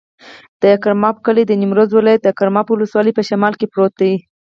د ګرماب کلی د نیمروز ولایت، ګرماب ولسوالي په شمال کې پروت دی.